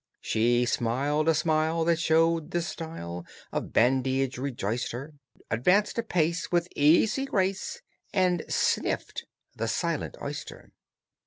She smiled a smile that showed this style Of badinage rejoiced her, Advanced a pace with easy grace, And sniffed the silent oyster.